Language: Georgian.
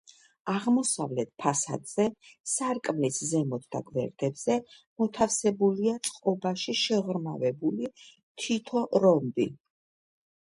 აღმოსავლეთ ფასადზე, სარკმლის ზემოთ და გვერდებზე მოთავსებულია წყობაში შეღრმავებული, თითო რომბი.